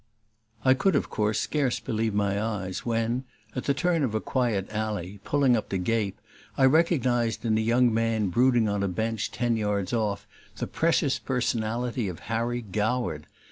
I could of course scarce believe my eyes when, at the turn of a quiet alley, pulling up to gape, I recognized in a young man brooding on a bench ten yards off the precious personality of Harry Goward!